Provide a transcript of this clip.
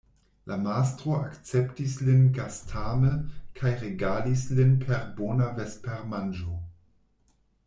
La mastro akceptis lin gastame kaj regalis lin per bona vespermanĝo.